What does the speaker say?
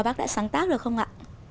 bác đã sáng tác được không ạ